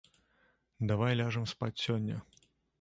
Давай ляжам спаць сёння.